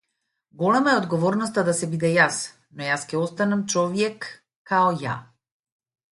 Голема е одговорноста да се биде јас, но јас ќе останам човјек као ја.